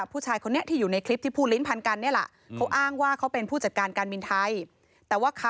พี่ต้องไปดูเขาตรงนู้นสิไม่ใช่ไปเรียก